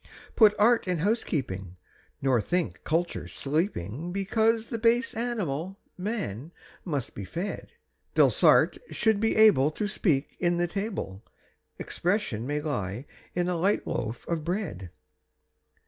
Put art in housekeeping, nor think culture sleeping Because the base animal, man, must be fed. Delsarte should be able to speak in the table 'Expression' may lie in a light loaf of bread.